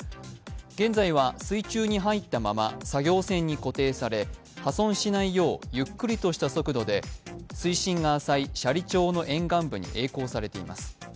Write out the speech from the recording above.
現在は水中に入ったまま、作業船に固定され破損しないようゆっくりとした速度で水深が浅い斜里町の沿岸部にえい航されています。